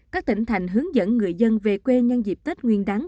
các tỉnh thành hướng dẫn người dân về quê nhân dịp tết nguyên đáng